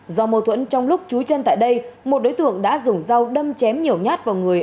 do mâu thuẫn trong lúc trú chân tại đây một đối tượng đã dùng dao đâm chém nhiều nhát vào người